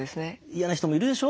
嫌な人もいるでしょう。